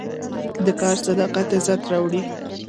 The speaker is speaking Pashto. د کار صداقت عزت راوړي.